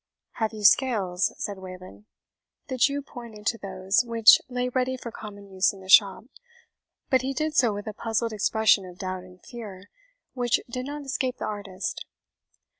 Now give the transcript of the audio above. "Have you scales?" said Wayland. The Jew pointed to those which lay ready for common use in the shop, but he did so with a puzzled expression of doubt and fear, which did not escape the artist.